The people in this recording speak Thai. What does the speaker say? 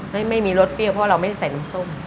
ไม่มีรสเปรี้ยวเพราะเราไม่ได้ใส่น้ำส้ม